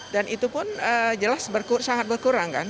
dan itu pun jelas sangat berkurang kan